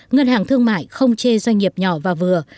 ngân hàng thương mại không chê doanh nghiệp nhỏ và vừa